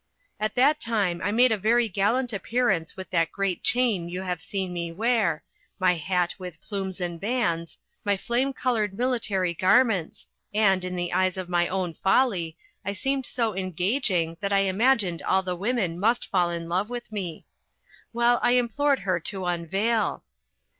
At that time I made a very gallant appearance with that great chain you have seen me wear, my hat with plumes and bands, my flame coloured military garments, and, in the eyes of my own folly, I seemed so engaging that I imagined all the women must fall in love with me! Well, I implored her to unveil.